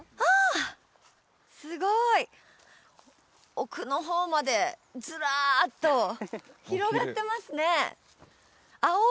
すごい奥の方までずらっと広がってますね